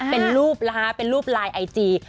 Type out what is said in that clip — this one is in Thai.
เป็นรูปนะคะเป็นรูปไลน์ไอจี